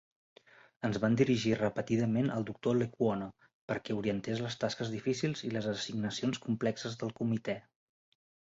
Ens van dirigir repetidament al Dr. Lecuona perquè orientés les tasques difícils i les assignacions complexes del comitè.